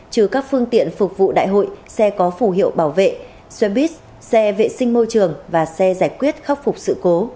trừ các phương tiện phục vụ đại hội xe có phủ hiệu bảo vệ xe buýt xe vệ sinh môi trường và xe giải quyết khắc phục sự cố